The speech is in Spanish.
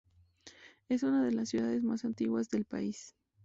Es una de las ciudades más antiguas del país.